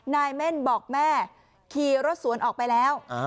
นายเม่นบอกแม่ขี่รถสวนออกไปแล้ว